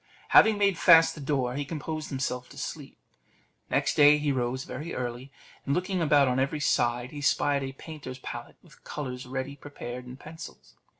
Having made fast the door, he composed himself to sleep. Next day he rose very early, and looking about on every side, he spied a painter's pallet, with colours ready prepared and pencils.